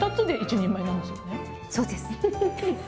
そうです！